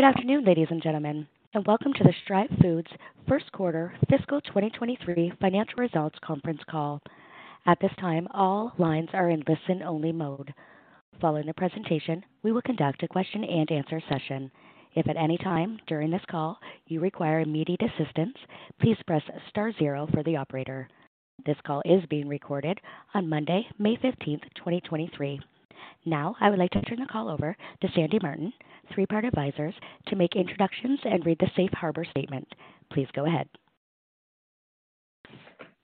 Good afternoon, ladies and gentlemen, welcome to the Stryve Foods first quarter fiscal 2023 financial results conference call. At this time, all lines are in listen-only mode. Following the presentation, we will conduct a question-and-answer session. If at any time during this call you require immediate assistance, please press star zero for the operator. This call is being recorded on Monday, May 15th, 2023. I would like to turn the call over to Sandy Martin, Three Part Advisors, to make introductions and read the Safe Harbor statement. Please go ahead.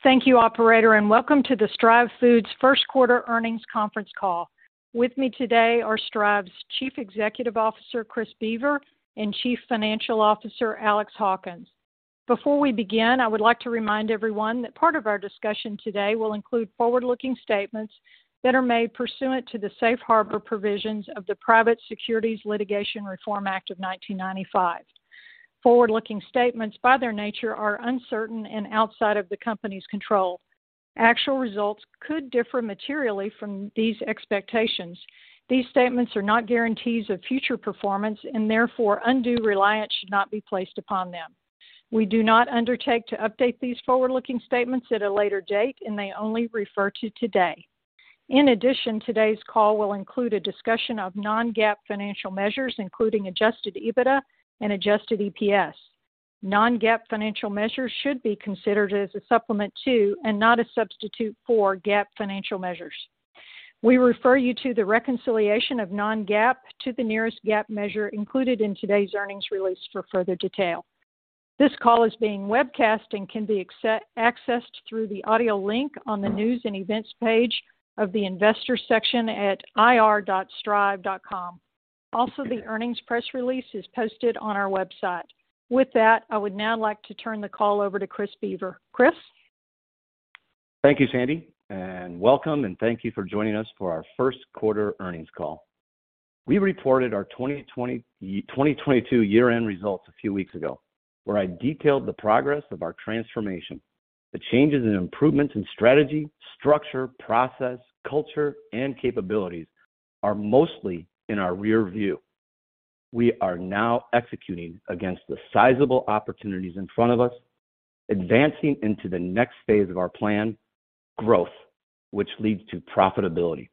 Thank you, operator, and welcome to the Stryve Foods first quarter earnings conference call. With me today are Stryve's Chief Executive Officer, Chris Boever, and Chief Financial Officer, Alex Hawkins. Before we begin, I would like to remind everyone that part of our discussion today will include forward-looking statements that are made pursuant to the safe harbor provisions of the Private Securities Litigation Reform Act of 1995. Forward-looking statements by their nature are uncertain and outside of the company's control. Actual results could differ materially from these expectations. These statements are not guarantees of future performance and therefore undue reliance should not be placed upon them. We do not undertake to update these forward-looking statements at a later date, and they only refer to today. In addition, today's call will include a discussion of non-GAAP financial measures, including Adjusted EBITDA and Adjusted EPS. Non-GAAP financial measures should be considered as a supplement to, and not a substitute for, GAAP financial measures. We refer you to the reconciliation of non-GAAP to the nearest GAAP measure included in today's earnings release for further detail. This call is being webcast and can be accessed through the audio link on the News and Events page of the Investor section at ir.stryve.com. The earnings press release is posted on our website. With that, I would now like to turn the call over to Chris Boever. Chris? Thank you, Sandy, welcome and thank you for joining us for our first quarter earnings call. We reported our 2022 year-end results a few weeks ago, where I detailed the progress of our transformation. The changes and improvements in strategy, structure, process, culture, and capabilities are mostly in our rear view. We are now executing against the sizable opportunities in front of us, advancing into the next phase of our plan, growth, which leads to profitability.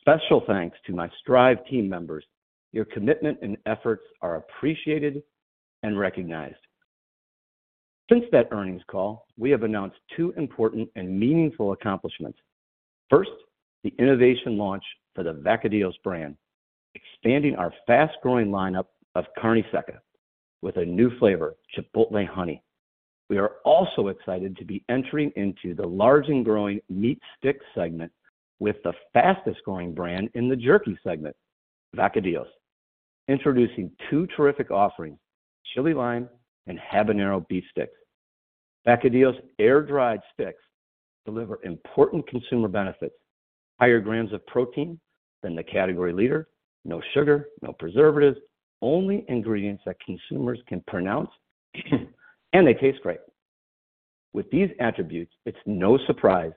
Special thanks to my Stryve team members. Your commitment and efforts are appreciated and recognized. Since that earnings call, we have announced two important and meaningful accomplishments. First, the innovation launch for the Vacadillos brand, expanding our fast-growing lineup of Carne Seca with a new flavor, Chipotle Honey. We are also excited to be entering into the large and growing meat sticks segment with the fastest-growing brand in the jerky segment, Vacadillos, introducing two terrific offerings, Chili Lime and Habanero beef sticks. Vacadillos air-dried sticks deliver important consumer benefits, higher grams of protein than the category leader, no sugar, no preservatives, only ingredients that consumers can pronounce and they taste great. With these attributes, it's no surprise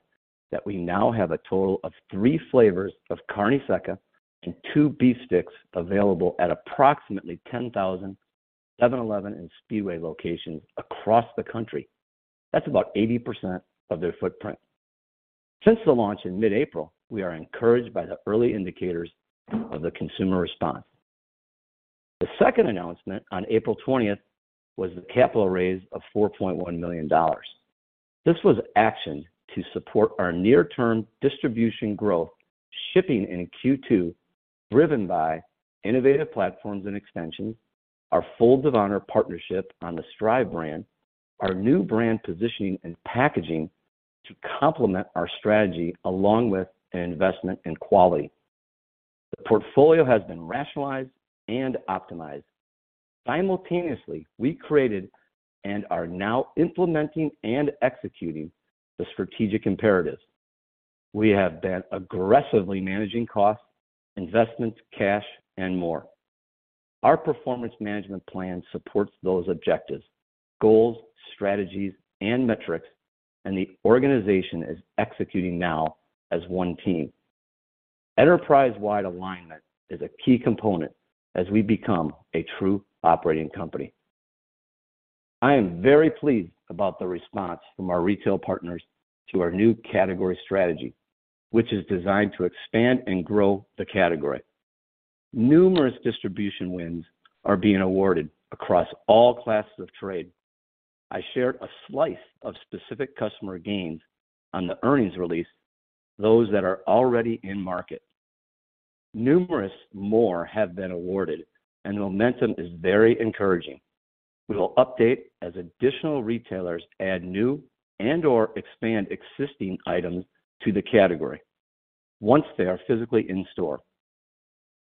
that we now have a total of three flavors of Carne Seca and two beef sticks available at approximately 10,000 7-Eleven and Speedway locations across the country. That's about 80% of their footprint. Since the launch in mid-April, we are encouraged by the early indicators of the consumer response. The second announcement on April 20th was the capital raise of $4.1 million. This was action to support our near-term distribution growth, shipping in Q2, driven by innovative platforms and extensions, our Folds of Honor partnership on the Stryve brand, our new brand positioning and packaging to complement our strategy along with an investment in quality. The portfolio has been rationalized and optimized. Simultaneously, we created and are now implementing and executing the strategic imperatives. We have been aggressively managing costs, investments, cash and more. Our performance management plan supports those objectives, goals, strategies, and metrics. The organization is executing now as one team. Enterprise-wide alignment is a key component as we become a true operating company. I am very pleased about the response from our retail partners to our new category strategy, which is designed to expand and grow the category. Numerous distribution wins are being awarded across all classes of trade. I shared a slice of specific customer gains on the earnings release, those that are already in market. Numerous more have been awarded and the momentum is very encouraging. We will update as additional retailers add new and/or expand existing items to the category once they are physically in store.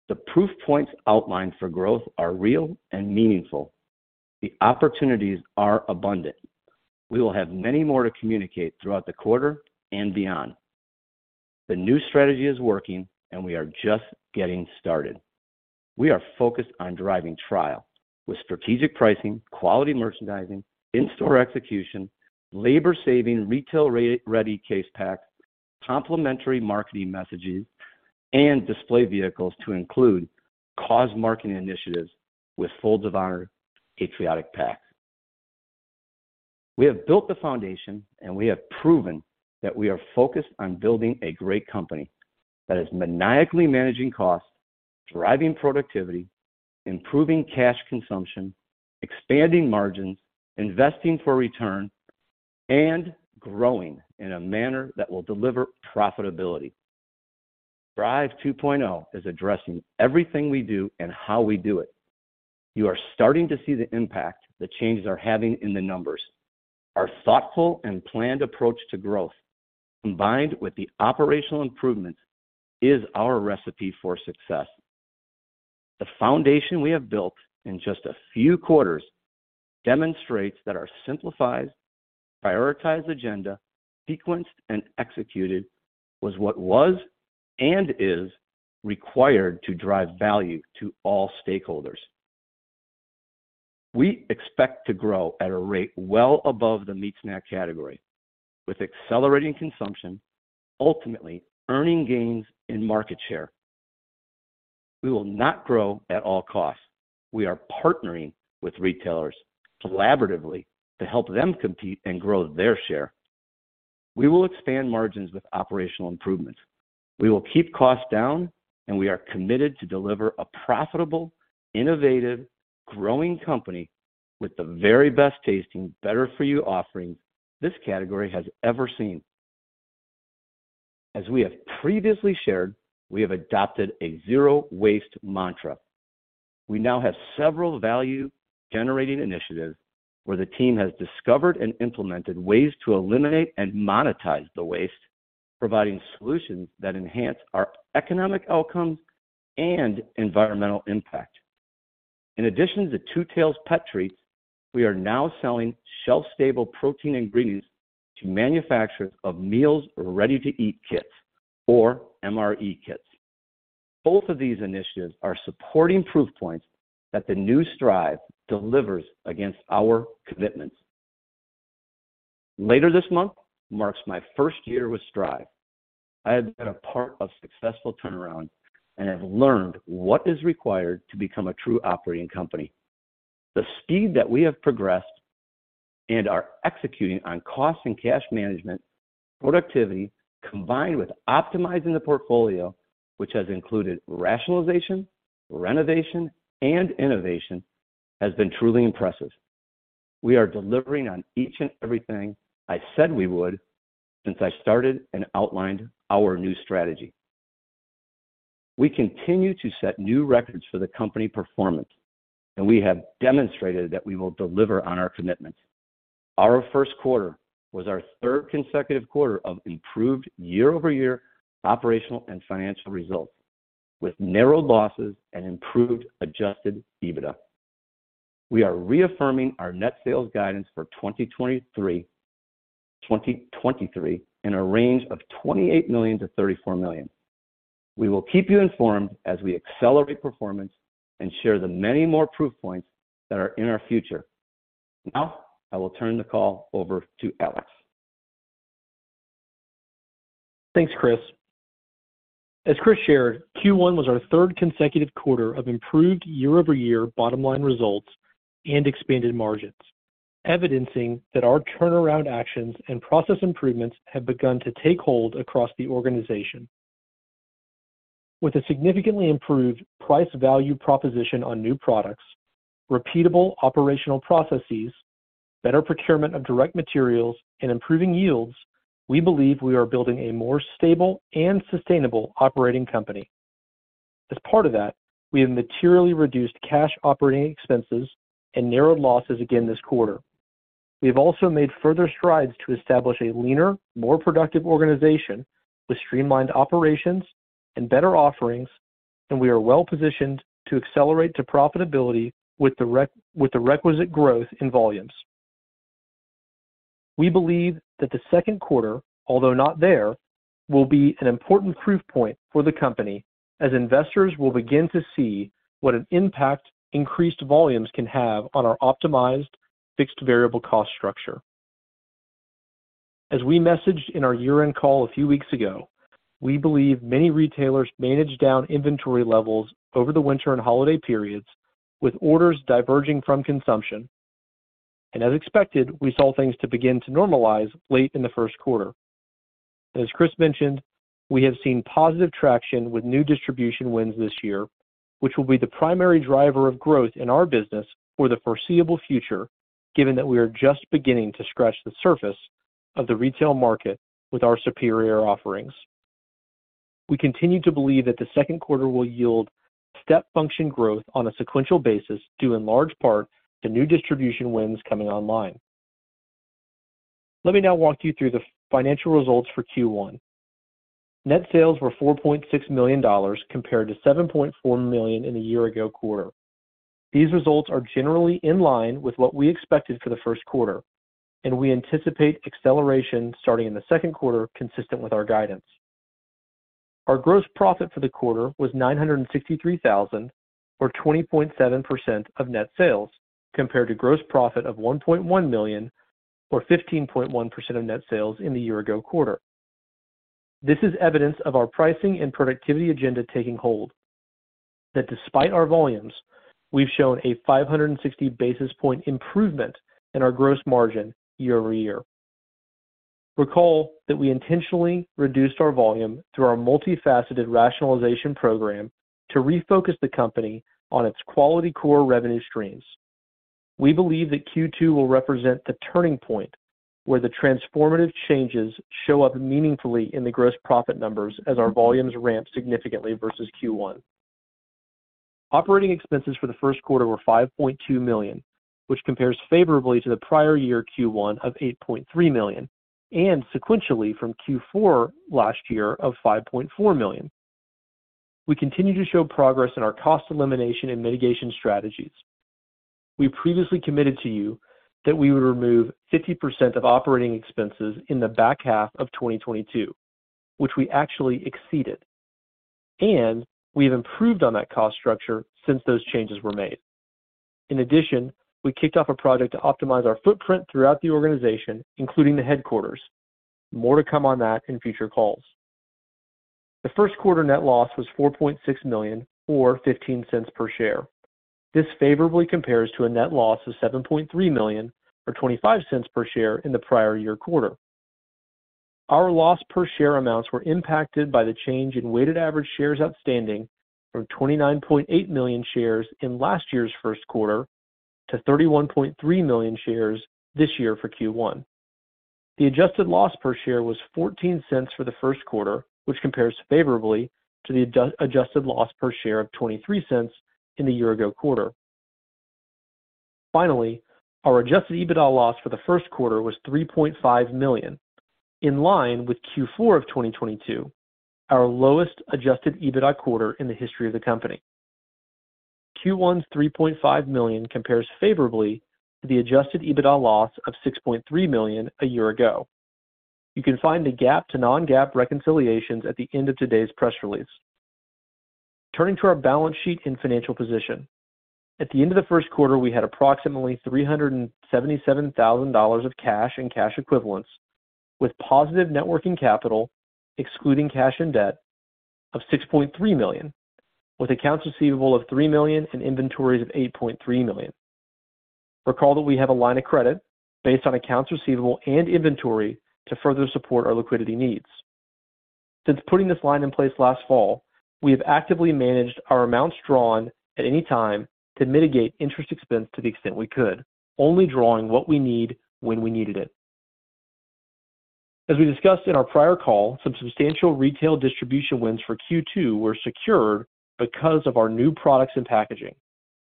The proof points outlined for growth are real and meaningful. The opportunities are abundant. We will have many more to communicate throughout the quarter and beyond. The new strategy is working, and we are just getting started. We are focused on driving trial with strategic pricing, quality merchandising, in-store execution, labor-saving retail-ready case pack, complementary marketing messages and display vehicles to include cause marketing initiatives with Folds of Honor Patriot Pack. We have built the foundation, we have proven that we are focused on building a great company that is maniacally managing costs, driving productivity, improving cash consumption, expanding margins, investing for return, and growing in a manner that will deliver profitability. Stryve 2.0 is addressing everything we do and how we do it. You are starting to see the impact the changes are having in the numbers. Our thoughtful and planned approach to growth, combined with the operational improvements, is our recipe for success. The foundation we have built in just a few quarters demonstrates that our simplified, prioritized agenda, sequenced and executed, was what was and is required to drive value to all stakeholders. We expect to grow at a rate well above the meat snack category with accelerating consumption, ultimately earning gains in market share. We will not grow at all costs. We are partnering with retailers collaboratively to help them compete and grow their share. We will expand margins with operational improvements. We will keep costs down, and we are committed to deliver a profitable, innovative, growing company with the very best tasting, better for you offerings this category has ever seen. As we have previously shared, we have adopted a zero-waste mantra. We now have several value-generating initiatives where the team has discovered and implemented ways to eliminate and monetize the waste, providing solutions that enhance our economic outcomes and environmental impact. In addition to Two Tails pet treats, we are now selling shelf-stable protein ingredients to manufacturers of meals ready-to-eat kits or MRE kits. Both of these initiatives are supporting proof points that the new Stryve delivers against our commitments. Later this month marks my first year with Stryve. I have been a part of successful turnaround and have learned what is required to become a true operating company. The speed that we have progressed and are executing on cost and cash management, productivity, combined with optimizing the portfolio, which has included rationalization, renovation, and innovation, has been truly impressive. We are delivering on each and everything I said we would since I started and outlined our new strategy. We continue to set new records for the company performance, and we have demonstrated that we will deliver on our commitments. Our first quarter was our third consecutive quarter of improved year-over-year operational and financial results with narrowed losses and improved Adjusted EBITDA. We are reaffirming our net sales guidance for 2023 in a range of $28 million-$34 million. We will keep you informed as we accelerate performance and share the many more proof points that are in our future. I will turn the call over to Alex. Thanks, Chris. As Chris shared, Q1 was our third consecutive quarter of improved year-over-year bottom line results and expanded margins, evidencing that our turnaround actions and process improvements have begun to take hold across the organization. With a significantly improved price value proposition on new products, repeatable operational processes, better procurement of direct materials, and improving yields, we believe we are building a more stable and sustainable operating company. As part of that, we have materially reduced cash operating expenses and narrowed losses again this quarter. We have also made further strides to establish a leaner, more productive organization with streamlined operations and better offerings, and we are well-positioned to accelerate to profitability with the requisite growth in volumes. We believe that the second quarter, although not there, will be an important proof point for the company as investors will begin to see what an impact increased volumes can have on our optimized fixed variable cost structure. As we messaged in our year-end call a few weeks ago, we believe many retailers managed down inventory levels over the winter and holiday periods, with orders diverging from consumption. As expected, we saw things to begin to normalize late in the first quarter. As Chris mentioned, we have seen positive traction with new distribution wins this year, which will be the primary driver of growth in our business for the foreseeable future, given that we are just beginning to scratch the surface of the retail market with our superior offerings. We continue to believe that the second quarter will yield step function growth on a sequential basis, due in large part to new distribution wins coming online. Let me now walk you through the financial results for Q1. Net sales were $4.6 million compared to $7.4 million in the year-ago quarter. These results are generally in line with what we expected for the first quarter. We anticipate acceleration starting in the second quarter, consistent with our guidance. Our gross profit for the quarter was $963,000, or 20.7% of net sales, compared to gross profit of $1.1 million, or 15.1% of net sales in the year-ago quarter. This is evidence of our pricing and productivity agenda taking hold, that despite our volumes, we've shown a 560 basis point improvement in our gross margin year-over-year. Recall that we intentionally reduced our volume through our multifaceted rationalization program to refocus the company on its quality core revenue streams. We believe that Q2 will represent the turning point where the transformative changes show up meaningfully in the gross profit numbers as our volumes ramp significantly versus Q1. Operating expenses for the first quarter were $5.2 million, which compares favorably to the prior year Q1 of $8.3 million, sequentially from Q4 last year of $5.4 million. We continue to show progress in our cost elimination and mitigation strategies. We previously committed to you that we would remove 50% of operating expenses in the back half of 2022, which we actually exceeded, and we have improved on that cost structure since those changes were made. In addition, we kicked off a project to optimize our footprint throughout the organization, including the headquarters. More to come on that in future calls. The first quarter net loss was $4.6 million or $0.15 per share. This favorably compares to a net loss of $7.3 million or $0.25 per share in the prior year quarter. Our loss per share amounts were impacted by the change in weighted average shares outstanding from 29.8 million shares in last year's first quarter to 31.3 million shares this year for Q1. The adjusted loss per share was $0.14 for the first quarter, which compares favorably to the adjusted loss per share of $0.23 in the year-ago quarter. Our Adjusted EBITDA loss for the first quarter was $3.5 million, in line with Q4 of 2022, our lowest Adjusted EBITDA quarter in the history of the company. Q1's $3.5 million compares favorably to the Adjusted EBITDA loss of $6.3 million a year ago. You can find the GAAP to non-GAAP reconciliations at the end of today's press release. Turning to our balance sheet and financial position. At the end of the first quarter, we had approximately $377,000 of cash and cash equivalents with positive net working capital, excluding cash and debt, of $6.3 million, with accounts receivable of $3 million and inventories of $8.3 million. Recall that we have a line of credit based on accounts receivable and inventory to further support our liquidity needs. Since putting this line in place last fall, we have actively managed our amounts drawn at any time to mitigate interest expense to the extent we could, only drawing what we need when we needed it. As we discussed in our prior call, some substantial retail distribution wins for Q2 were secured because of our new products and packaging.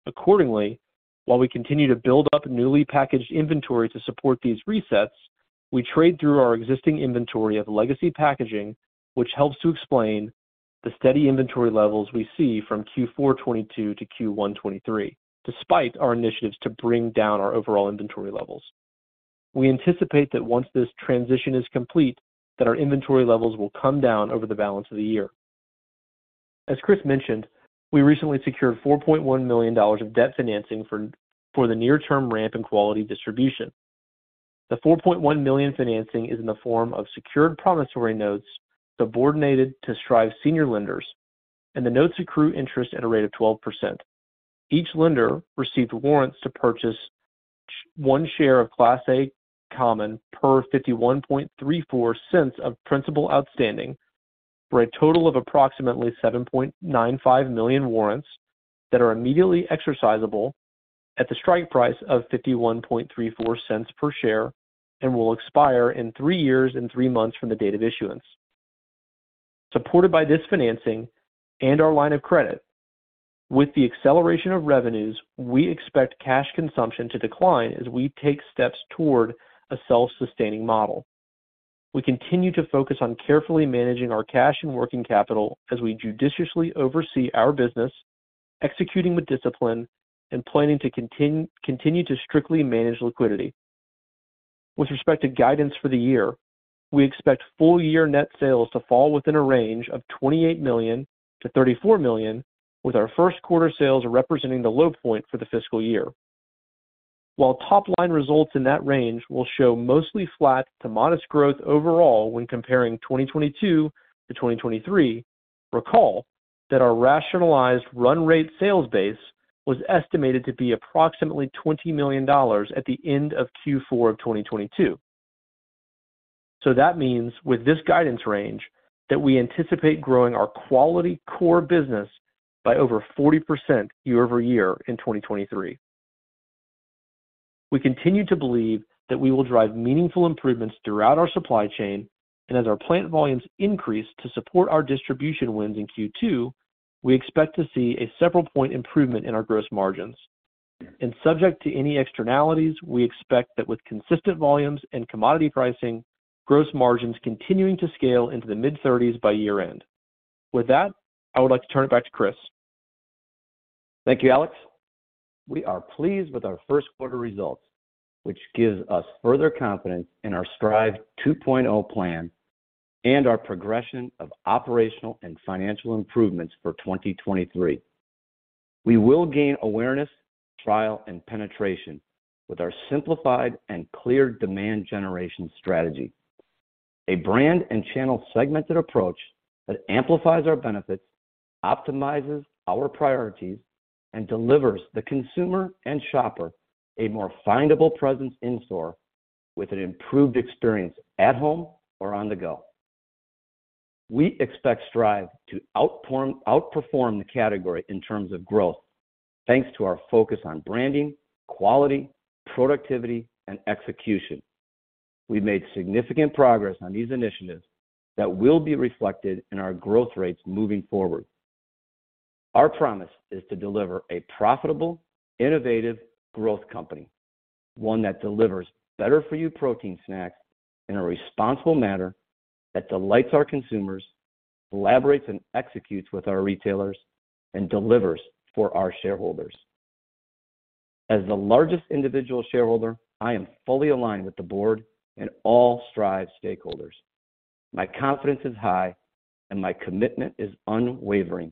Accordingly, while we continue to build up newly packaged inventory to support these resets, we trade through our existing inventory of legacy packaging, which helps to explain the steady inventory levels we see from Q4 2022 to Q1 2023, despite our initiatives to bring down our overall inventory levels. We anticipate that once this transition is complete that our inventory levels will come down over the balance of the year. As Chris mentioned, we recently secured $4.1 million of debt financing for the near-term ramp in quality distribution. The $4.1 million financing is in the form of secured promissory notes subordinated to Stryve senior lenders, the notes accrue interest at a rate of 12%. Each lender received warrants to purchase one share of Class A common per $0.5134 of principal outstanding, for a total of approximately 7.95 million warrants that are immediately exercisable at the strike price of $0.5134 per share and will expire in three years and three months from the date of issuance. Supported by this financing and our line of credit, with the acceleration of revenues, we expect cash consumption to decline as we take steps toward a self-sustaining model. We continue to focus on carefully managing our cash and working capital as we judiciously oversee our business, executing with discipline, and planning to continue to strictly manage liquidity. With respect to guidance for the year, we expect full year net sales to fall within a range of $28 million-$34 million, with our first quarter sales representing the low point for the fiscal year. While top-line results in that range will show mostly flat to modest growth overall when comparing 2022 to 2023, recall that our rationalized run-rate sales base was estimated to be approximately $20 million at the end of Q4 of 2022. That means with this guidance range that we anticipate growing our quality core business by over 40% year-over-year in 2023. As our plant volumes increase to support our distribution wins in Q2, we expect to see a several point improvement in our gross margins. Subject to any externalities, we expect that with consistent volumes and commodity pricing, gross margins continuing to scale into the mid-thirties by year-end. I would like to turn it back to Chris. Thank you, Alex. We are pleased with our first quarter results, which gives us further confidence in our Stryve 2.0 plan and our progression of operational and financial improvements for 2023. We will gain awareness, trial, and penetration with our simplified and clear demand generation strategy. A brand and channel segmented approach that amplifies our benefits, optimizes our priorities, and delivers the consumer and shopper a more findable presence in store with an improved experience at home or on the go. We expect Stryve to outperform the category in terms of growth thanks to our focus on branding, quality, productivity and execution. We've made significant progress on these initiatives that will be reflected in our growth rates moving forward. Our promise is to deliver a profitable, innovative growth company, one that delivers better for you protein snacks in a responsible manner that delights our consumers, collaborates and executes with our retailers, and delivers for our shareholders. As the largest individual shareholder, I am fully aligned with the board and all Stryve stakeholders. My confidence is high and my commitment is unwavering.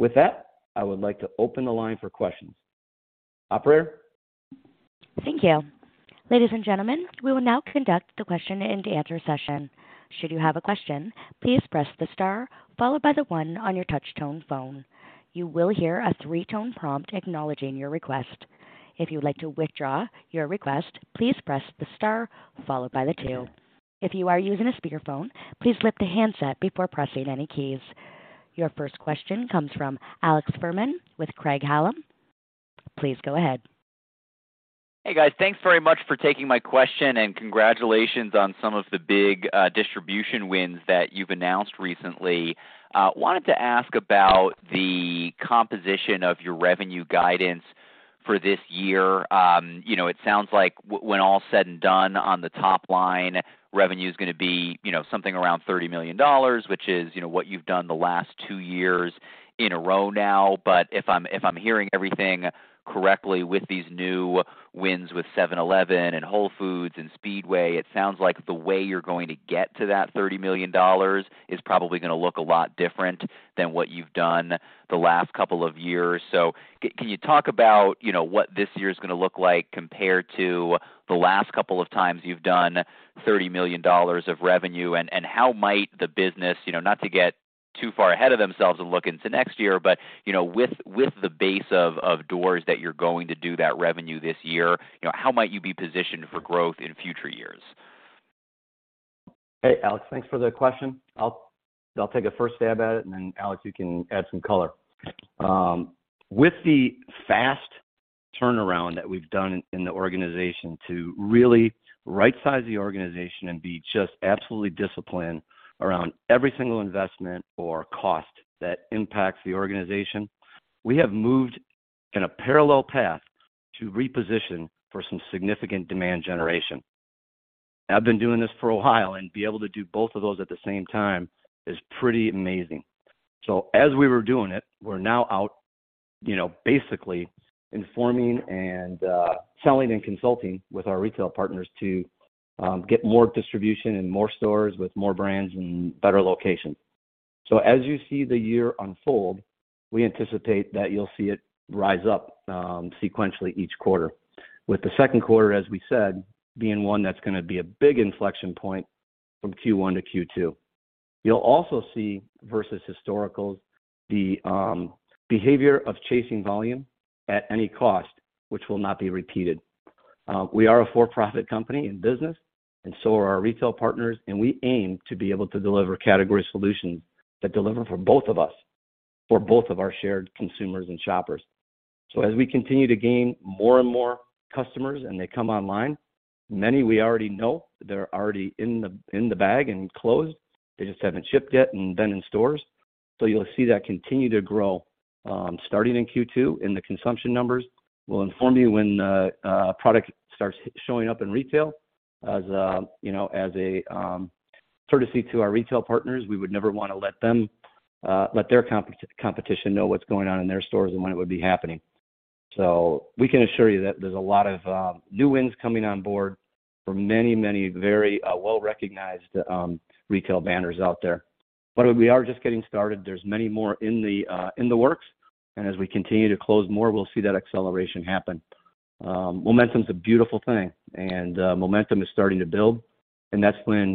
With that, I would like to open the line for questions. Operator? Thank you. Ladies and gentlemen, we will now conduct the question and answer session. Should you have a question, please press the star followed by the one on your touch-tone phone. You will hear a three-tone prompt acknowledging your request. If you would like to withdraw your request, please press the star followed by the two. If you are using a speakerphone, please lift the handset before pressing any keys. Your first question comes from Alex Fuhrman with Craig-Hallum. Please go ahead. Hey, guys. Thanks very much for taking my question and congratulations on some of the big distribution wins that you've announced recently. Wanted to ask about the composition of your revenue guidance for this year. You know, it sounds like when all is said and done on the top line, revenue is gonna be, you know, something around $30 million, which is, you know, what you've done the last two years in a row now. If I'm hearing everything correctly with these new wins with 7-Eleven and Whole Foods and Speedway, it sounds like the way you're going to get to that $30 million is probably gonna look a lot different than what you've done the last couple of years. Can you talk about, you know, what this year is gonna look like compared to the last couple of times you've done $30 million of revenue and how might the business, you know, not to get too far ahead of themselves and look into next year, but, you know, with the base of doors that you're going to do that revenue this year, you know, how might you be positioned for growth in future years? Hey, Alex. Thanks for the question. I'll take a first stab at it, and then Alex, you can add some color. With the fast turnaround that we've done in the organization to really right-size the organization and be just absolutely disciplined around every single investment or cost that impacts the organization, we have moved in a parallel path to reposition for some significant demand generation. I've been doing this for a while, and to be able to do both of those at the same time is pretty amazing. As we were doing it, we're now out, you know, basically informing and selling and consulting with our retail partners to get more distribution in more stores with more brands and better locations. As you see the year unfold, we anticipate that you'll see it rise up sequentially each quarter. With the second quarter, as we said, being one that's gonna be a big inflection point from Q1 to Q2. You'll also see versus historical the behavior of chasing volume at any cost, which will not be repeated. We are a for-profit company in business and so are our retail partners, and we aim to be able to deliver category solutions that deliver for both of us, for both of our shared consumers and shoppers. As we continue to gain more and more customers and they come online, many we already know, they're already in the, in the bag and closed. They just haven't shipped yet and been in stores. You'll see that continue to grow starting in Q2 in the consumption numbers. We'll inform you when product starts showing up in retail. As you know, as a courtesy to our retail partners, we would never wanna let them let their competition know what's going on in their stores and when it would be happening. We can assure you that there's a lot of new wins coming on board for many, many very well-recognized retail banners out there. We are just getting started. There's many more in the works, and as we continue to close more, we'll see that acceleration happen. Momentum's a beautiful thing and momentum is starting to build, and that's when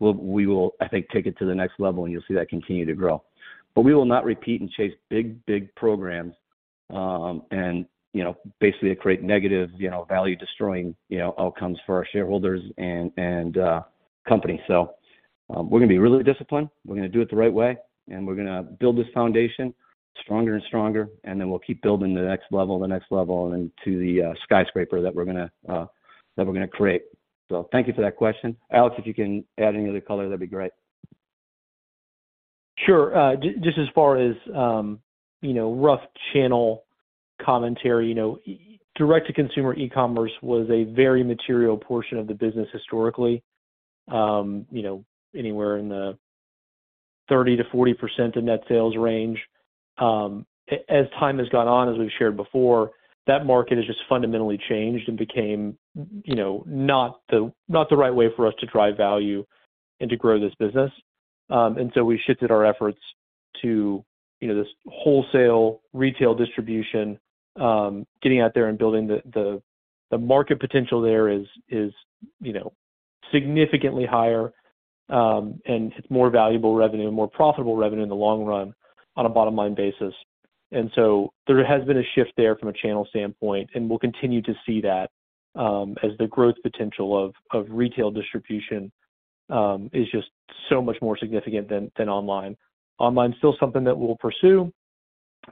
we will, I think, take it to the next level and you'll see that continue to grow. We will not repeat and chase big, big programs, and, you know, basically create negative, you know, value destroying, you know, outcomes for our shareholders and company. We're gonna be really disciplined. We're gonna do it the right way, and we're gonna build this foundation stronger and stronger, and then we'll keep building the next level, the next level, and then to the skyscraper that we're gonna create. Thank you for that question. Alex, if you can add any other color, that'd be great. Sure. Just as far as, you know, rough channel commentary, you know, direct to consumer e-commerce was a very material portion of the business historically. You know, anywhere in the 30%-40% in net sales range. As time has gone on, as we've shared before, that market has just fundamentally changed and became, you know, not the, not the right way for us to drive value and to grow this business. So we shifted our efforts to, you know, this wholesale retail distribution, getting out there and building the market potential there is, you know, significantly higher, and it's more valuable revenue, more profitable revenue in the long run on a bottom-line basis. There has been a shift there from a channel standpoint, and we'll continue to see that, as the growth potential of retail distribution, is just so much more significant than online. Online is still something that we'll pursue,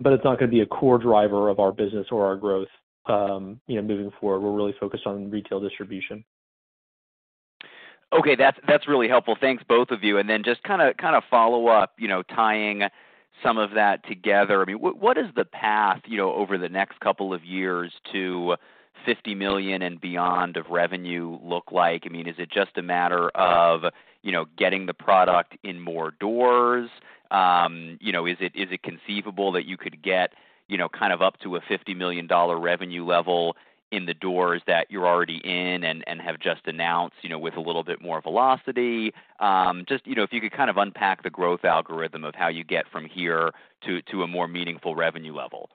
but it's not gonna be a core driver of our business or our growth. You know, moving forward, we're really focused on retail distribution. Okay. That's really helpful. Thanks to both of you. Then just kinda follow up, you know, tying some of that together. I mean, what is the path, you know, over the next couple of years to $50 million and beyond of revenue look like? I mean, is it just a matter of, you know, getting the product in more doors? You know, is it conceivable that you could get, you know, kind of up to a $50 million revenue level in the doors that you're already in and have just announced, you know, with a little bit more velocity? Just, you know, if you could kind of unpack the growth algorithm of how you get from here to a more meaningful revenue level.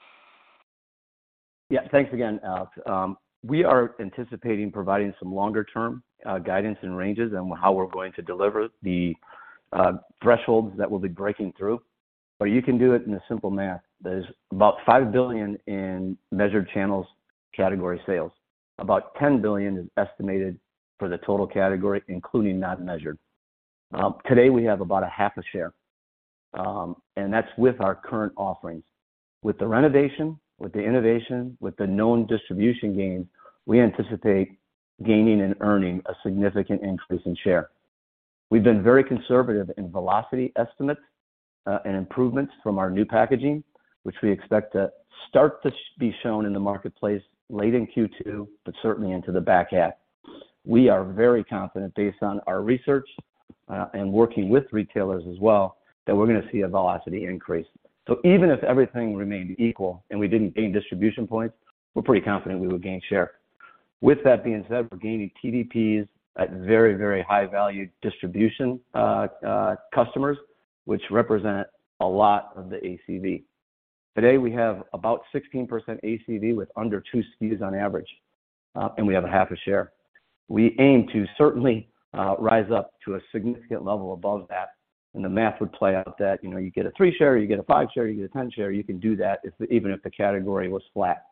Thanks again, Alex. We are anticipating providing some longer-term guidance and ranges on how we're going to deliver the thresholds that we'll be breaking through, but you can do it in a simple math. There's about $5 billion in measured channels category sales. About $10 billion is estimated for the total category, including not measured. Today we have about a half a share, and that's with our current offerings. With the renovation, with the innovation, with the known distribution gain, we anticipate gaining and earning a significant increase in share. We've been very conservative in velocity estimates and improvements from our new packaging, which we expect to start to be shown in the marketplace late in Q2, but certainly into the back half. We are very confident, based on our research, and working with retailers as well, that we're gonna see a velocity increase. Even if everything remained equal and we didn't gain distribution points, we're pretty confident we would gain share. With that being said, we're gaining TDPs at very, very high value distribution customers, which represent a lot of the ACV. Today, we have about 16% ACV with under 2 SKUs on average, and we have a half share. We aim to certainly rise up to a significant level above that, and the math would play out that, you know, you get a three share, you get a five share, you get a 10 share. You can do that even if the category was flat,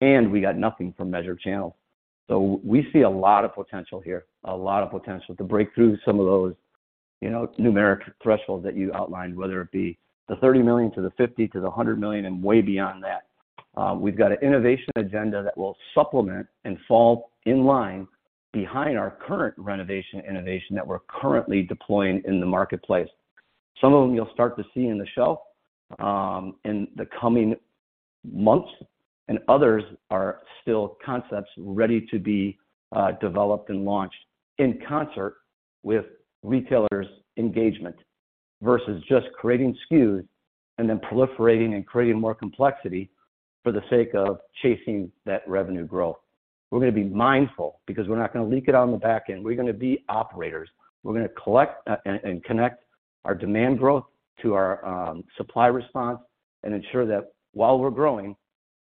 and we got nothing from measured channels. We see a lot of potential here, a lot of potential to break through some of those, you know, numeric thresholds that you outlined, whether it be the $30 million to the $50 million to the $100 million and way beyond that. We've got an innovation agenda that will supplement and fall in line behind our current renovation innovation that we're currently deploying in the marketplace. Some of them you'll start to see in the shelf, in the coming months, and others are still concepts ready to be developed and launched in concert with retailers' engagement versus just creating SKUs and then proliferating and creating more complexity for the sake of chasing that revenue growth. We're gonna be mindful because we're not gonna leak it on the back end. We're gonna be operators. We're gonna collect and connect our demand growth to our supply response and ensure that while we're growing,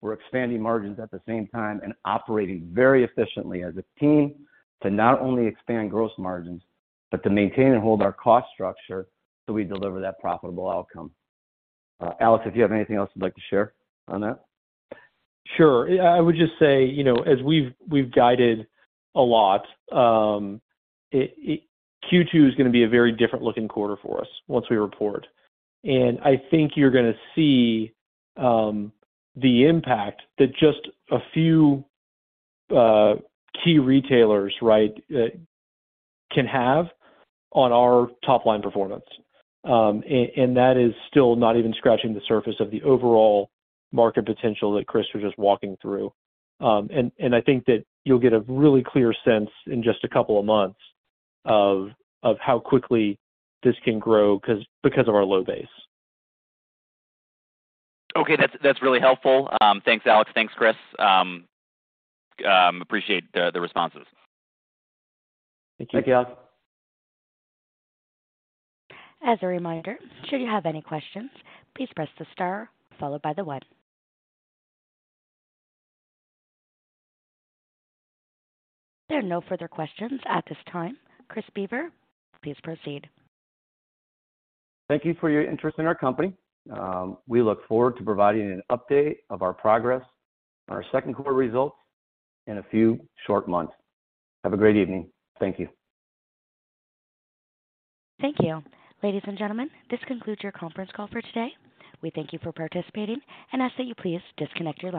we're expanding margins at the same time and operating very efficiently as a team to not only expand gross margins but to maintain and hold our cost structure so we deliver that profitable outcome. Alex, if you have anything else you'd like to share on that. Sure. You know, as we've guided a lot, Q2 is gonna be a very different looking quarter for us once we report. I think you're gonna see the impact that just a few key retailers, right, can have on our top line performance. That is still not even scratching the surface of the overall market potential that Chris was just walking through. I think that you'll get a really clear sense in just a couple of months of how quickly this can grow because of our low base. Okay. That's really helpful. Thanks, Alex. Thanks, Chris. Appreciate the responses. Thank you. Thank you, Alex. As a reminder, should you have any questions, please press the star followed by the one. There are no further questions at this time. Chris Boever, please proceed. Thank you for your interest in our company. We look forward to providing an update of our progress on our second quarter results in a few short months. Have a great evening. Thank you. Thank you. Ladies and gentlemen, this concludes your conference call for today. We thank you for participating and ask that you please disconnect your lines.